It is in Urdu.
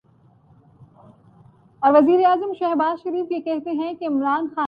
وہ جو اک عمر سے آیا نہ گیا آخر شب